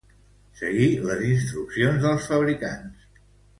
Seguir les instruccions dels fabricants